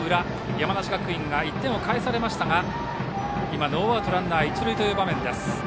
山梨学院が１点を返されましたが今、ノーアウトランナー、一塁という場面です。